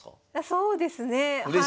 そうですねはい。